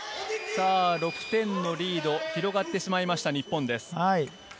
６点のリードと広がってしまいました、日本です。